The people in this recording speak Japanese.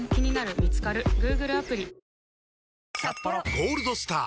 「ゴールドスター」！